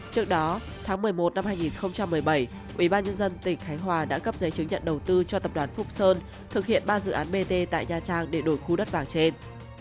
trước đó tháng một mươi một năm hai nghìn một mươi bảy ubnd tỉnh khánh hòa đã cấp giấy chứng nhận đầu tư cho tập đoàn phúc sơn thực hiện ba dự án bt tại nha trang để đổi khu đất vàng trên